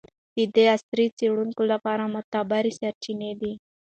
دا د عصري څیړونکو لپاره معتبره سرچینه ده.